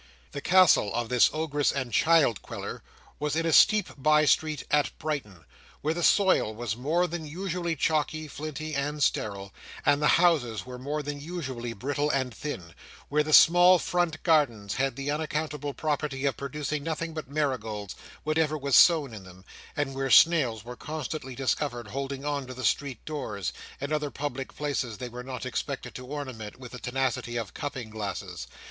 The Castle of this ogress and child queller was in a steep by street at Brighton; where the soil was more than usually chalky, flinty, and sterile, and the houses were more than usually brittle and thin; where the small front gardens had the unaccountable property of producing nothing but marigolds, whatever was sown in them; and where snails were constantly discovered holding on to the street doors, and other public places they were not expected to ornament, with the tenacity of cupping glasses.